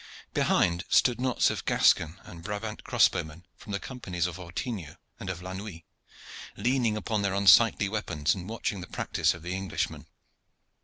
Behind stood knots of Gascon and Brabant crossbowmen from the companies of Ortingo and of La Nuit, leaning upon their unsightly weapons and watching the practice of the Englishmen.